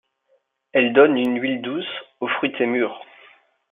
Elle donne une huile douce au fruité mûr.